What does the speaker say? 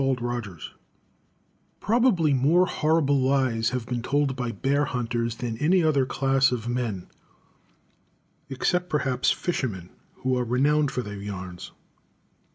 Probably more horrible lies have been told by bear hunters than any other class of men, except, perhaps, fishermen, who are renowned for their yarns.